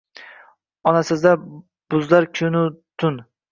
Onasizlar buzlar tunu-kun